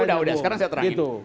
ya ya udah sekarang saya terangkan